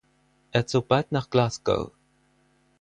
Er zog bald nach Glasgow.